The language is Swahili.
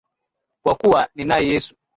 Kwa kuwa ninaye Yesu.